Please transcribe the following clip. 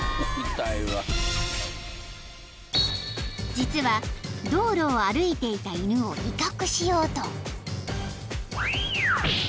［実は道路を歩いていた犬を威嚇しようと］